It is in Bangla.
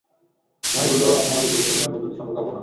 উমাইর বলল, আপনি আমাদের শুভেচ্ছা বিনিময় পদ্ধতি সম্পর্কে অজ্ঞ নন।